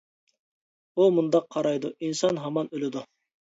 ئۇ مۇنداق قارايدۇ : ئىنسان ھامان ئۆلىدۇ.